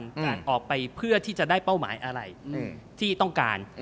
การออกไปเพื่อที่จะได้เป้าหมายอะไรที่ต้องการ